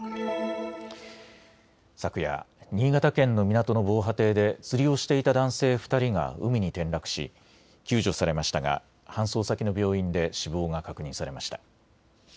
昨夜、新潟県の港の防波堤で釣りをしていた男性２人が海に転落し救助されましたが搬送先の病院で死亡が確認されました。